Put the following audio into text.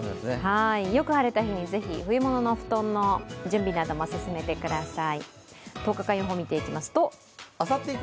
よく晴れた日に、冬物の布団の準備なども進めてください。